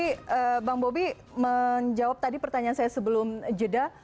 jadi bang bobi menjawab tadi pertanyaan saya sebelum jeda